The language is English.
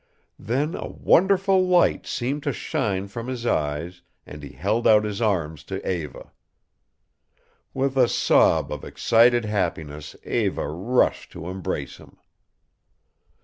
Then a wonderful light seemed to shine from his eyes and he held out his arms to Eva. With a sob of excited happiness Eva rushed to embrace him.